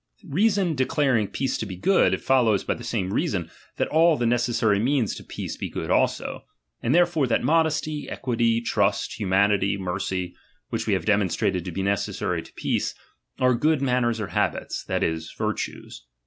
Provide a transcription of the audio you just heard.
Reason declarmg peace to be good, it follows by the same reason, that all the neces sary means to peace be good also i and there fore that modesty, equity, trust, humanity, mercy, (which we have demonstrated to be necessary to peace), are good manners or habits, that is, virtues.